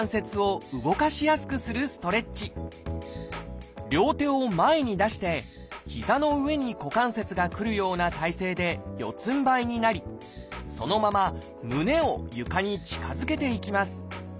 最初は固まった両手を前に出して膝の上に股関節がくるような体勢で四つんばいになりそのまま胸を床に近づけていきます。